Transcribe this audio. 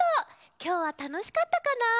きょうはたのしかったかな？